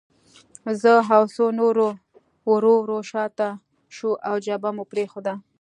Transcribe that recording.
زه او څو نور ورو ورو شاته شوو او جبهه مو پرېښوده